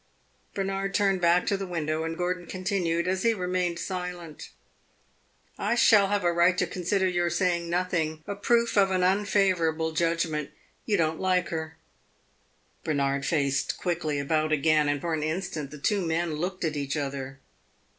Bernard turned back to the window, and Gordon continued, as he remained silent. "I shall have a right to consider your saying nothing a proof of an unfavorable judgment. You don't like her!" Bernard faced quickly about again, and for an instant the two men looked at each other.